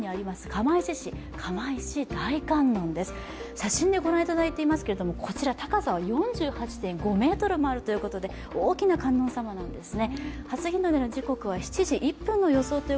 写真でご覧いただいていますけど、高さ４８．５ｍもあるということで大きな観音様なんですね。